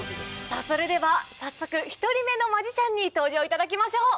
さあそれでは早速１人目のマジシャンに登場いただきましょう。